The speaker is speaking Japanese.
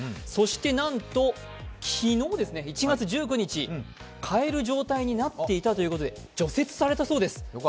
そしてなんと昨日、１月１９日、買える状態になっていたということで除雪されたそうです。